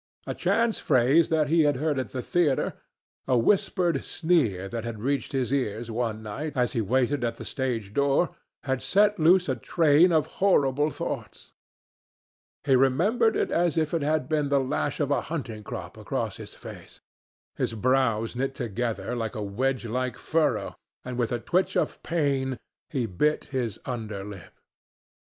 A chance phrase that he had heard at the theatre, a whispered sneer that had reached his ears one night as he waited at the stage door, had set loose a train of horrible thoughts. He remembered it as if it had been the lash of a hunting crop across his face. His brows knit together into a wedge like furrow, and with a twitch of pain he bit his underlip.